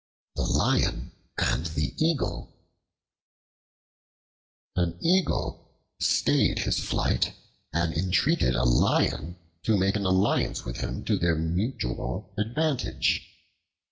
The Lion and the Eagle AN EAGLE stayed his flight and entreated a Lion to make an alliance with him to their mutual advantage.